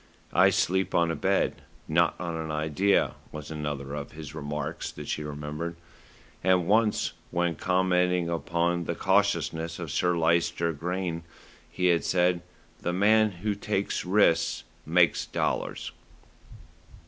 "I sleep on a bed, not on an idea," was another of his remarks that she remembered, and once when commenting upon the cautiousness of Sir Lyster Grayne he had said, "The man who takes risks makes dollars."